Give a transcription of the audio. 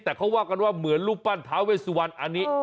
แต่เขาว่ากันว่าเหมือนรูปปั้นท้าเวสวันอันนี้